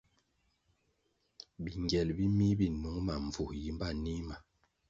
Bingyel bi mih bi nung ma mbvu, yimba nih ma.